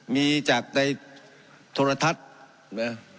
มีจากในธรรมทัศน์